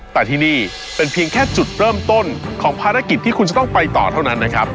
แต่ที่นี่เป็นเพียงแค่จุดเริ่มต้นของภารกิจที่คุณจะต้องไปต่อเท่านั้นนะครับ